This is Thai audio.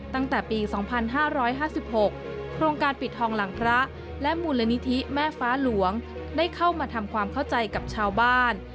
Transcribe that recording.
ตั้งแต่ปี๒๕๕๖โครงการปิดทองหลังพระและมูลนิธิแม่ฟ้าหลวงได้เข้ามาทำความเข้าใจกับชาวบ้าน